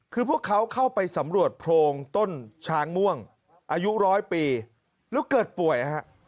คือพวกเขาเข้าไปสำรวจโพรงต้นช้างม่วงอายุร้อยปีแล้วเกิดป่วยฮะ